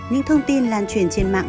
những thông tin lan truyền trên mạng